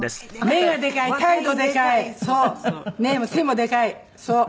背もでかいそう。